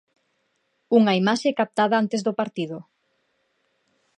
Unha imaxe captada antes do partido.